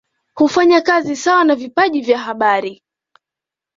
Hufanya kazi sawa na vipaji vya habari